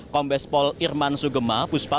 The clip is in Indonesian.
kombespol irman sugema puspa